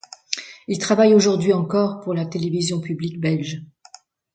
Il travaille aujourd'hui encore pour la télévision publique belge.